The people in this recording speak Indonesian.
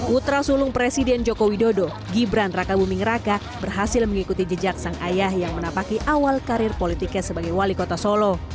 putra sulung presiden joko widodo gibran raka buming raka berhasil mengikuti jejak sang ayah yang menapaki awal karir politiknya sebagai wali kota solo